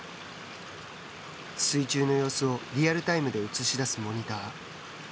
水中の様子をリアルタイムで映し出すモニター。